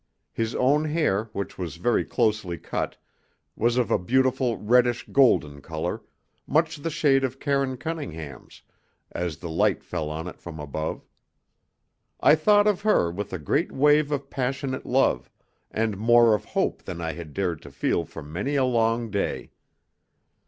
His own hair, which was very closely cut, was of a beautiful reddish golden colour, much the shade of Karine Cunningham's, as the light fell on it from above. I thought of her with a great wave of passionate love, and more of hope than I had dared to feel for many a long day.